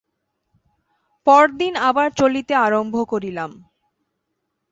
পরদিন আবার চলিতে আরম্ভ করিলাম।